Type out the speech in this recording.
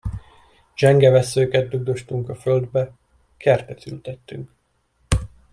Zsenge vesszőket dugdostunk a földbe: kertet ültettünk.